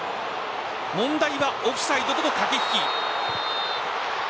問題はオフサイドとの駆け引き。